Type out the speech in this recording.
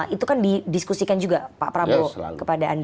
itu kan didiskusikan juga pak prabowo kepada anda